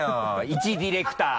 いちディレクター！